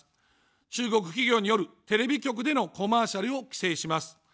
中国企業によるテレビ局でのコマーシャルを規制します。